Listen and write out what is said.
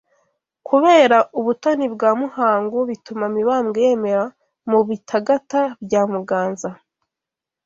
Kubera ubutoni bwa Muhangu bituma Mibambwe yemera mu Bitagata bya Muganza